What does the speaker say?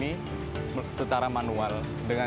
kami juga menggunakan aplikasi yang mengendalikan penyelidikan